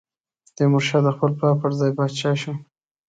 تیمورشاه د خپل پلار پر ځای پاچا شو.